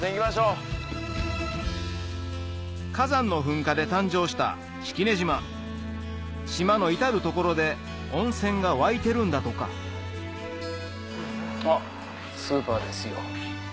火山の噴火で誕生した島の至る所で温泉が湧いてるんだとかあっスーパーですよ。